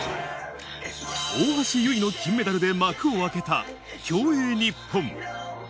大橋悠依の金メダルで幕を開けた競泳日本。